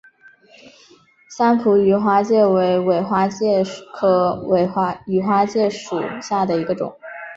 三浦羽花介为尾花介科羽花介属下的一个种。